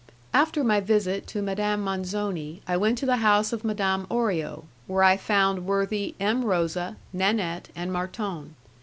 After my visit to Madame Manzoni I went to the house of Madame Orio, where I found worthy M. Rosa, Nanette, and Marton.